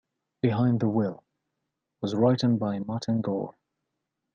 "Behind the Wheel" was written by Martin Gore.